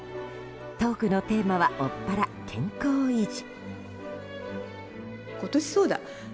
トークのテーマはもっぱら健康維持。